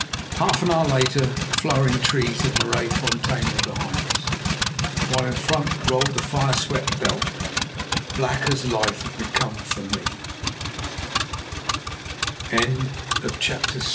Half an hour later the flowering trees of Maraisfontein were behind us, while in front rolled the fire swept veld, black as life had become for me.